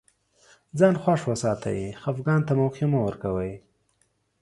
ځان خوښ وساتئ خفګان ته موقع مه ورکوی